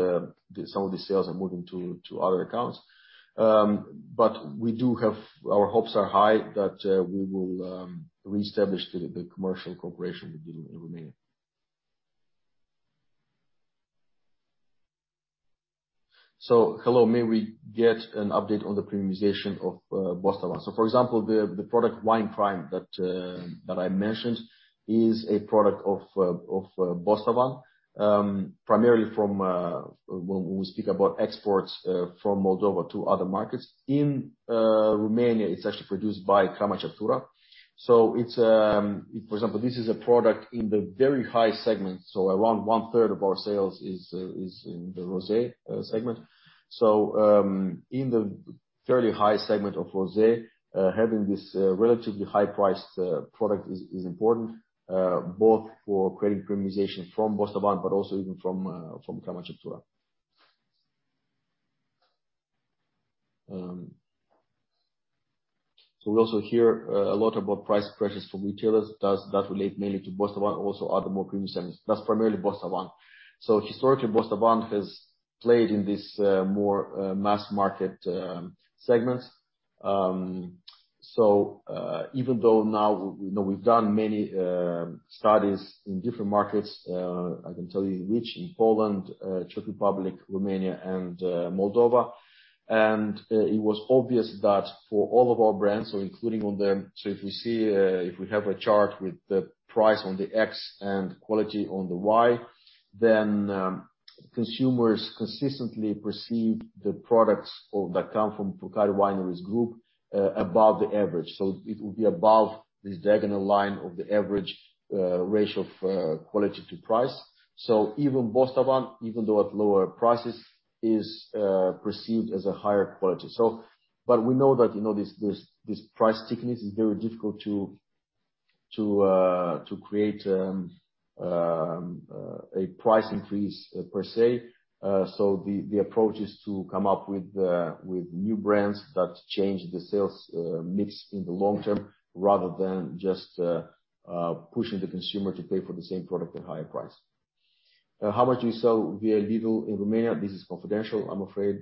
some of the sales are moving to other accounts. We do have our hopes are high that we will reestablish the commercial cooperation with Lidl in Romania. Hello, may we get an update on the premiumization of Bostavan? For example, the product Wine Prime that I mentioned is a product of Bostavan, primarily from when we speak about exports, from Moldova to other markets. In Romania, it's actually produced by Crama Ceptura. For example, this is a product in the very high segment, so around 1/3 of our sales is in the rosé segment. In the fairly high segment of rosé, having this relatively high-priced product is important, both for creating premiumization from Bostavan but also even from Crama Ceptura. We also hear a lot about price pressures from retailers. Does that relate mainly to Bostavan, also other more premium segments? That's primarily Bostavan. Historically, Bostavan has played in this more mass market segments. Even though now we've done many studies in different markets, I can tell you which in Poland, Czech Republic, Romania, and Moldova. It was obvious that for all of our brands, if we have a chart with the price on the X and quality on the Y, then consumers consistently perceive the products that come from Purcari Wineries Group above the average. It will be above this diagonal line of the average ratio of quality to price. Even Bostavan, even though at lower prices, is perceived as a higher quality. But we know that, you know, this price thickness is very difficult to create a price increase per se. The approach is to come up with new brands that change the sales mix in the long term rather than just pushing the consumer to pay for the same product at a higher price. How much do you sell via Lidl in Romania? This is confidential, I'm afraid,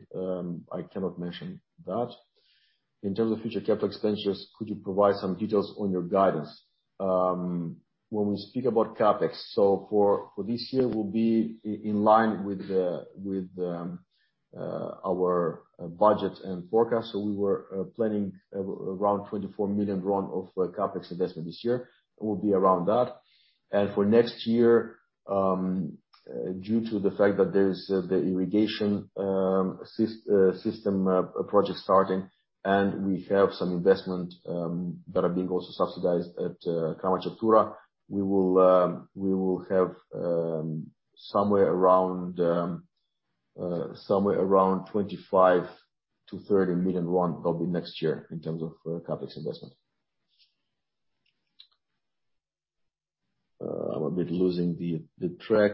I cannot mention that. In terms of future capital expenditures, could you provide some details on your guidance? When we speak about CapEx, for this year, we'll be in line with our budget and forecast. We were planning around RON 24 million of CapEx investment this year. It will be around that. For next year, due to the fact that there's the irrigation system project starting, and we have some investment that are being also subsidized at Crama Ceptura. We will have somewhere around 25-30 million RON probably next year in terms of CapEx investment. I'm a bit losing the track.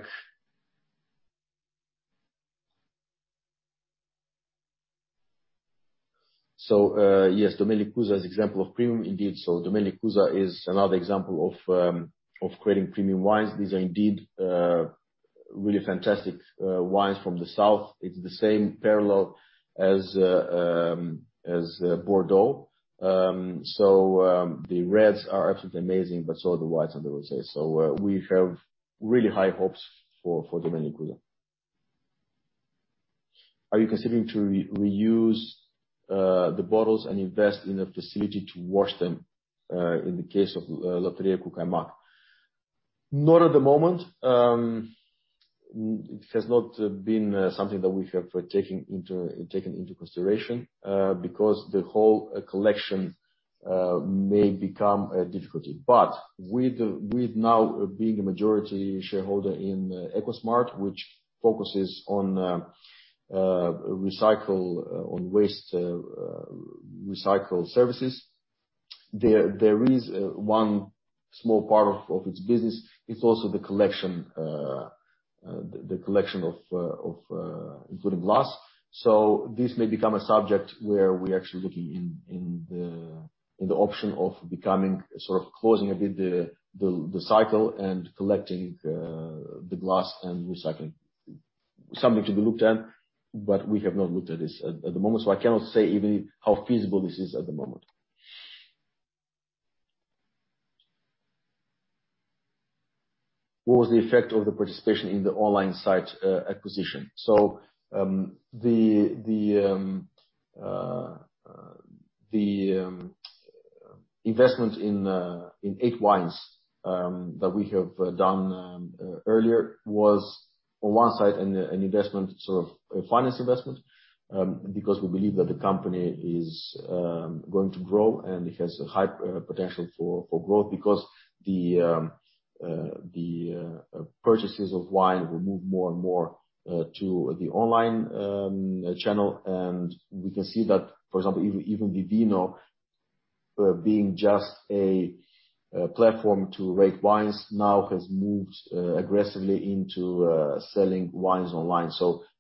Yes, Domeniile Cuza is example of premium indeed. Domeniile Cuza is another example of creating premium wines. These are indeed really fantastic wines from the south. It's the same parallel as Bordeaux. The reds are absolutely amazing, but so are the whites, I will say. We have really high hopes for Domeniile Cuza. Are you considering to reuse the bottles and invest in a facility to wash them in the case of Lăptăria cu Caimac? Not at the moment. It has not been something that we have taken into consideration because the whole collection may become a difficulty. With now being a majority shareholder in Eco Smart Life, which focuses on recycle on waste recycle services, there is one small part of its business; it's also the collection the collection of including glass. This may become a subject where we're actually looking into the option of becoming sort of closing a bit the cycle and collecting the glass and recycling. Something to be looked at, but we have not looked at this at the moment, so I cannot say even how feasible this is at the moment. What was the effect of the participation in the online site acquisition? The, the investment in 8Wines that we have done earlier was on one side an investment, sort of a financial investment, because we believe that the company is going to grow and it has a high potential for growth because the purchases of wine will move more and more to the online channel. We can see that, for example, even Vivino being just a platform to rate wines now has moved aggressively into selling wines online.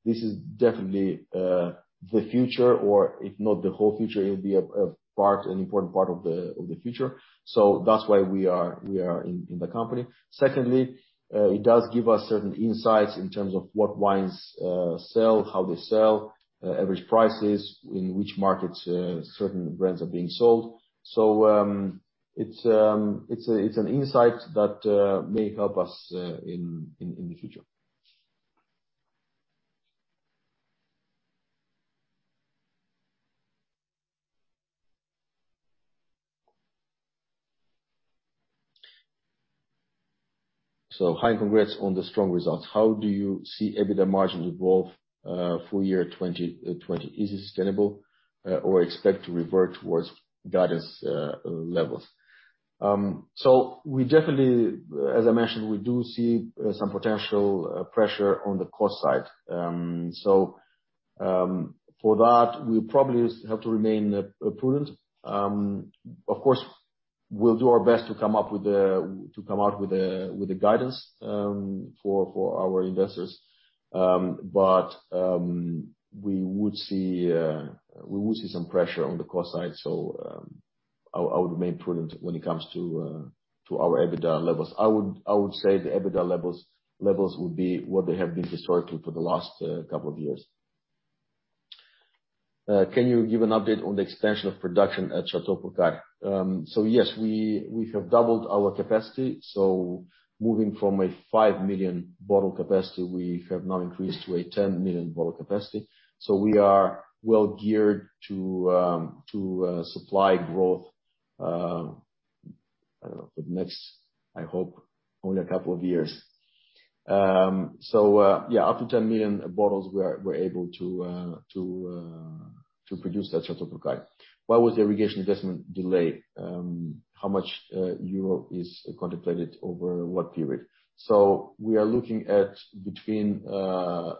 This is definitely the future or if not the whole future, it will be a part, an important part of the future. That's why we are in the company. Secondly, it does give us certain insights in terms of what wines sell, how they sell, average prices, in which markets certain brands are being sold. It's an insight that may help us in the future. Hi, and congrats on the strong results. How do you see EBITDA margins evolve full year 2020? Is it sustainable or expect to revert towards guidance levels? We definitely, as I mentioned, we do see some potential pressure on the cost side. For that, we probably have to remain prudent. Of course, we'll do our best to come out with the guidance for our investors. We would see some pressure on the cost side. I would remain prudent when it comes to our EBITDA levels. I would say the EBITDA levels would be what they have been historically for the last couple of years. Can you give an update on the expansion of production at Château Purcari? Yes, we have doubled our capacity. Moving from a 5 million bottle capacity, we have now increased to a 10 million bottle capacity. We are well geared to supply growth for the next, I hope, only a couple of years. Up to 10 million bottles, we're able to produce at Château Purcari. Why was the irrigation investment delayed? How much euro is contemplated over what period? We're looking at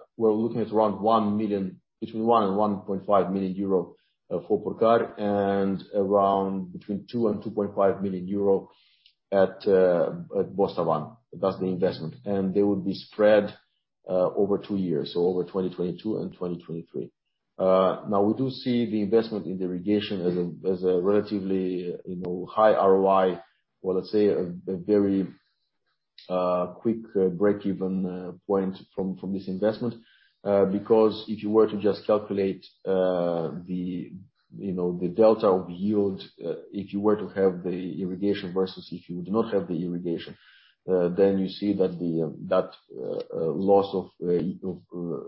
around 1 million, between 1 million-1.5 million euro for Purcari, and around between 2 million-2.5 million euro at Bostavan. That's the investment. They will be spread over two years, over 2022 and 2023. Now we do see the investment in the irrigation as a relatively, you know, high ROI. Well, let's say a very quick breakeven point from this investment. Because if you were to just calculate, you know, the delta of yield, if you were to have the irrigation versus if you would not have the irrigation, then you see that the loss of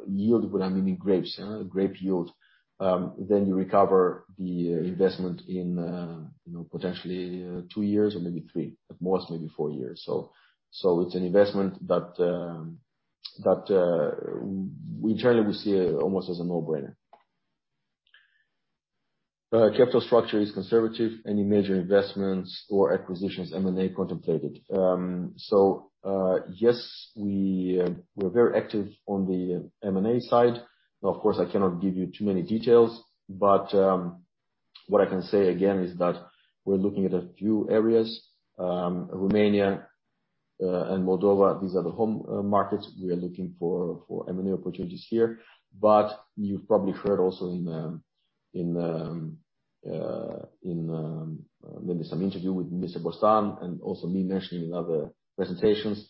yield, what I mean in grapes, grape yield, then you recover the investment in, you know, potentially, two years or maybe three, at most maybe four years. It's an investment that we generally see almost as a no-brainer. Capital structure is conservative. Any major investments or acquisitions M&A contemplated? Yes, we're very active on the M&A side. Now, of course, I cannot give you too many details, but what I can say again is that we're looking at a few areas, Romania, and Moldova. These are the home markets we are looking for for M&A opportunities here. You've probably heard also in maybe some interview with Mr. Bostan and also me mentioning in other presentations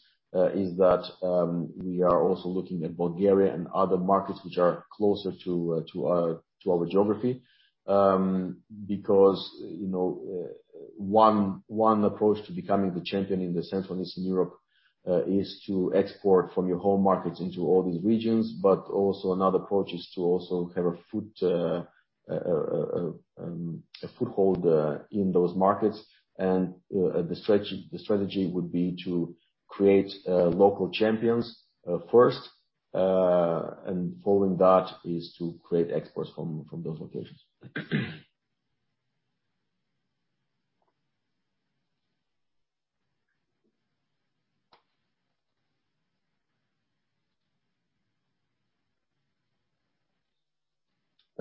is that we are also looking at Bulgaria and other markets which are closer to our geography. Because you know one approach to becoming the champion in Central and Eastern Europe is to export from your home markets into all these regions. Also another approach is to also have a foothold in those markets. The strategy would be to create local champions first. Following that is to create exports from those locations.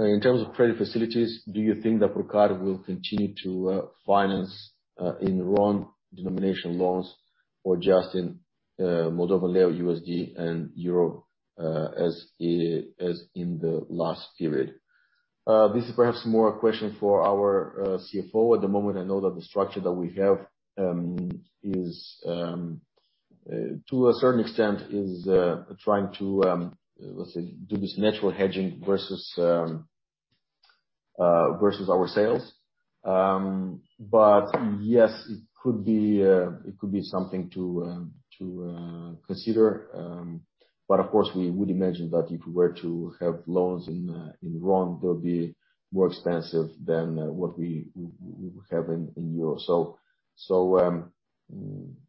In terms of credit facilities, do you think that Purcari will continue to finance in RON-denominated loans or just in Moldovan lei, USD and euro, as it is in the last period? This is perhaps more a question for our CFO. At the moment, I know that the structure that we have is to a certain extent trying to, let's say, do this natural hedging versus our sales. Yes, it could be something to consider. Of course, we would imagine that if we were to have loans in RON, they'll be more expensive than what we have in euro.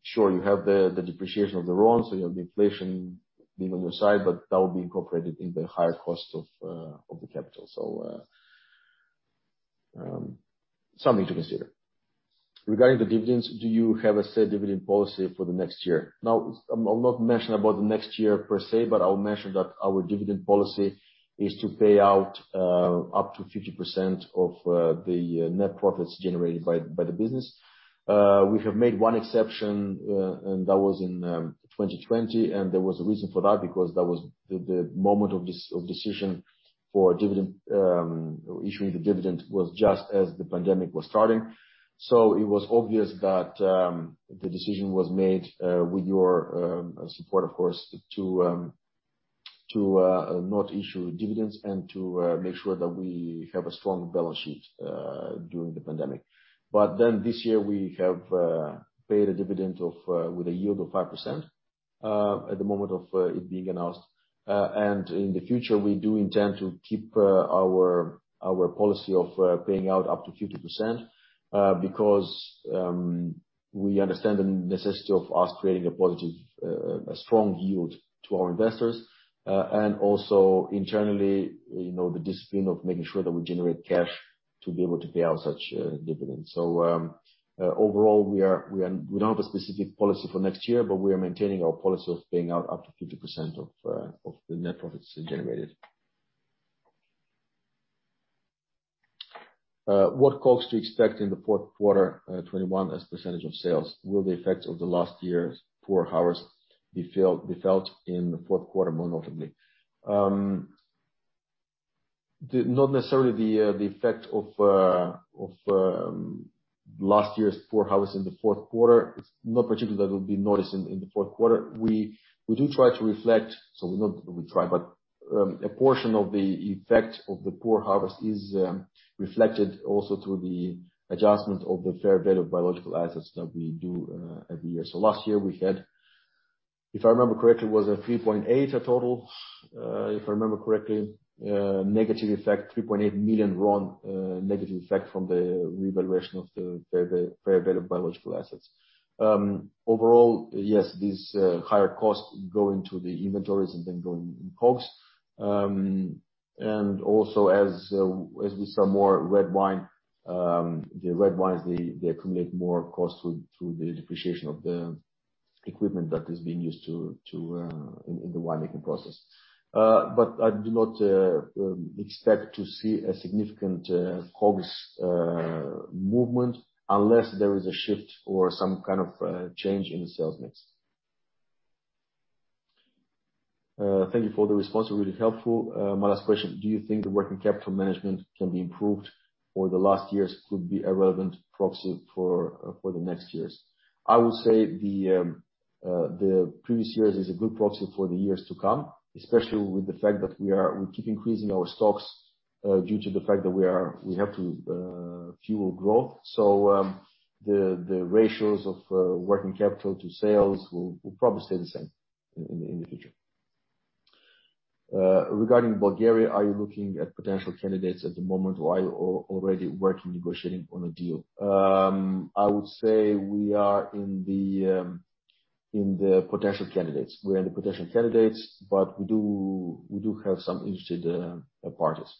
Sure, you have the depreciation of the RON, you have the inflation being on your side, but that will be incorporated in the higher cost of the capital. Something to consider. Regarding the dividends, do you have a set dividend policy for the next year? Now, I'm not mentioning about the next year per se, but I will mention that our dividend policy is to pay out up to 50% of the net profits generated by the business. We have made one exception, and that was in 2020, and there was a reason for that because that was the moment of decision for issuing the dividend just as the pandemic was starting. It was obvious that the decision was made with your support, of course, to not issue dividends and to make sure that we have a strong balance sheet during the pandemic. This year we have paid a dividend with a yield of 5% at the moment of it being announced. In the future, we do intend to keep our policy of paying out up to 50% because we understand the necessity of us creating a positive, strong yield to our investors. Also internally, you know, the discipline of making sure that we generate cash to be able to pay out such dividends. Overall, we don't have a specific policy for next year, but we are maintaining our policy of paying out up to 50% of the net profits generated. What COGS to expect in the fourth quarter, 2021 as percentage of sales? Will the effects of last year's poor harvest be felt in the fourth quarter more notably? Not necessarily the effect of last year's poor harvest in the fourth quarter. It's not particularly that will be noticed in the fourth quarter. We do try to reflect, so we don't really try, but a portion of the effect of the poor harvest is reflected also through the adjustment of the fair value of biological assets that we do every year. Last year we had, if I remember correctly, it was a 3.8 total, if I remember correctly, negative effect, RON 3.8 million, negative effect from the revaluation of the fair value of biological assets. Overall, yes, these higher costs go into the inventories and then go in COGS. Also as we sell more red wine, the red wines, they accumulate more cost through the depreciation of the equipment that is being used in the winemaking process. I do not expect to see a significant COGS movement unless there is a shift or some kind of change in the sales mix. Thank you for the response. It was really helpful. My last question, do you think the working capital management can be improved, or the last years could be a relevant proxy for the next years? I would say the previous years is a good proxy for the years to come, especially with the fact that we keep increasing our stocks due to the fact that we have to fuel growth. The ratios of working capital to sales will probably stay the same in the future. Regarding Bulgaria, are you looking at potential candidates at the moment, or are you already working, negotiating on a deal? I would say we are in the potential candidates, but we do have some interested parties.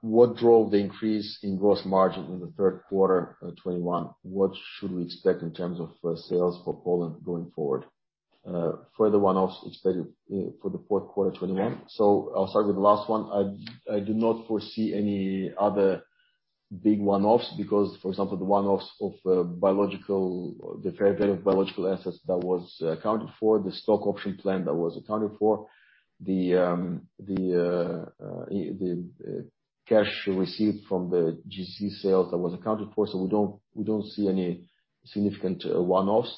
What drove the increase in gross margin in the third quarter of 2021? What should we expect in terms of sales for Poland going forward? Further one-offs expected for the fourth quarter 2021. I'll start with the last one. I do not foresee any other big one-offs because, for example, the fair value of biological assets that was accounted for, the stock option plan that was accounted for. The cash received from the glass container sales that was accounted for. We don't see any significant one-offs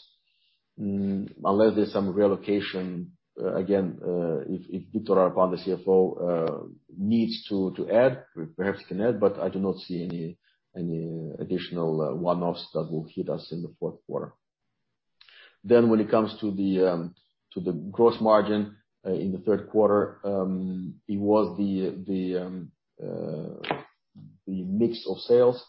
unless there's some reallocation. Again, if Victor Arapan, the CFO, needs to add, perhaps he can add, but I do not see any additional one-offs that will hit us in the fourth quarter. When it comes to the gross margin in the third quarter, it was the mix of sales.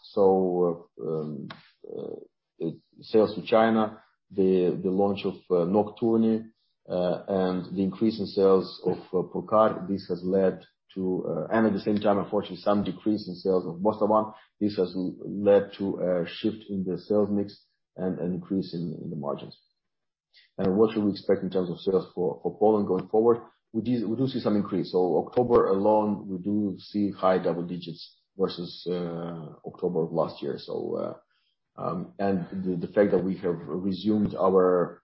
Sales to China, the launch of Nocturne, and the increase in sales of Purcari—this has led to, and at the same time, unfortunately, some decrease in sales of Bostavan. This has led to a shift in the sales mix and an increase in the margins. What should we expect in terms of sales for Poland going forward? We do see some increase. October alone, we do see high double digits versus October of last year. The fact that we have resumed our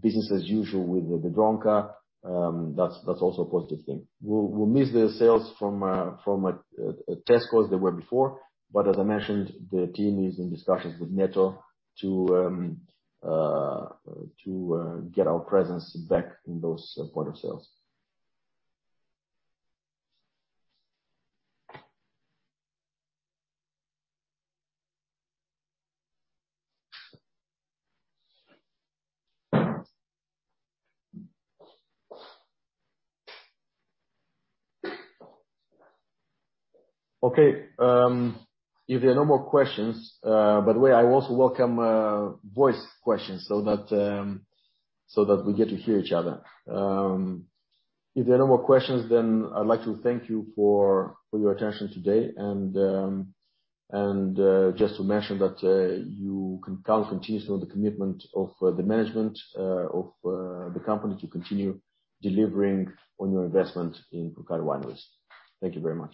business as usual with the Biedronka, that's also a positive thing. We'll miss the sales from Tesco as they were before, but as I mentioned, the team is in discussions with Netto to get our presence back in those points of sale. Okay, if there are no more questions. By the way, I also welcome voice questions so that we get to hear each other. If there are no more questions, then I'd like to thank you for your attention today. Just to mention that you can count continuously on the commitment of the management of the company to continue delivering on your investment in Purcari Wineries. Thank you very much.